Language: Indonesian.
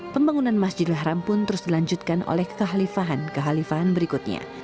pembangunan masjidil haram pun terus dilanjutkan oleh kehalifahan kehalifahan berikutnya